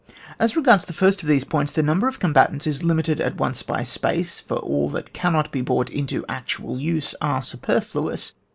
As regards the first of these points, the number of combatants is limi ted at once by space, for all that cannot be brought into actual use are superfluous.